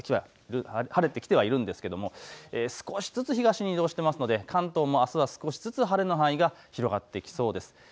晴れてきてはいるんですが、少しずつ東に移動しているので関東もあすは少しずつ晴れの範囲が広がってきそうです。